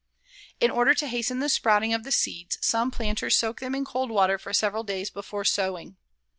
In order to hasten the sprouting of the seeds, some planters soak them in cold water for several days before sowing.